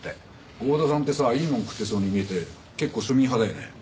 郷田さんってさいいもん食ってそうに見えて結構庶民派だよね。